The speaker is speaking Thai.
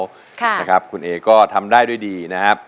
คุณเอกราชสุวรรณภูมิก็ทำได้ด้วยดีนะครับ